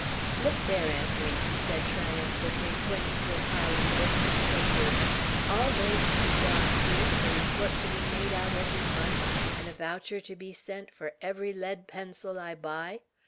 "Look there, Aunt Ri!" said he, triumphantly, pointing to a pile of books and papers. "All those to be gone through with, and a report to be made out every month, and a voucher to be sent for every lead pencil I buy.